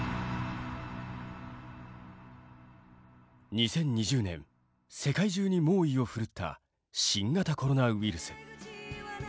２０２０年世界中に猛威をふるった新型コロナウイルス。